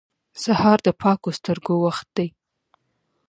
سهار د پاکو سترګو وخت دی.